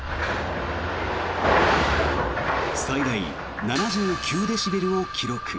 最大７９デシベルを記録。